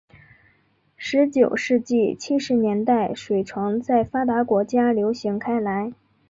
十九世纪七十年代水床在发达国家流行开来。